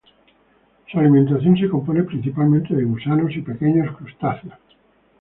Su alimentación se compone principalmente de gusanos y pequeños crustáceos.